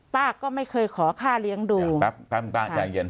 ป้าก็ไม่เคยขอค่าเลี้ยงดูแป๊บแป๊บป้าใจเย็น